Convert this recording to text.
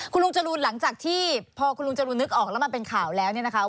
คุณลุงจรูนหลังจากที่พอคุณลุงจรูนนึกออกแล้วมันเป็นข่าวแล้วเนี่ยนะคะ